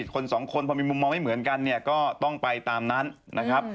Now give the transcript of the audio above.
คนสองคนพอมีมุมมองไม่เหมือนกันเนี่ยก็ต้องไปตามนั้นนะครับ